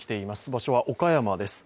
場所は岡山です。